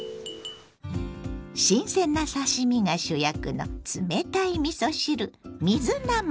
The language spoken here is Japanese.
新鮮な刺身が主役の冷たいみそ汁水なます。